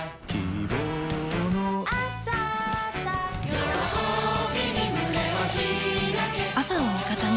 喜びに胸を開け朝を味方に。